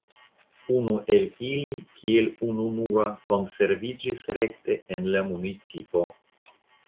Unu el ili kiel ununura konserviĝis rekte en la municipo.